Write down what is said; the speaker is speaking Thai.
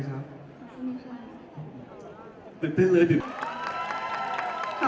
ขอบคุณค่ะ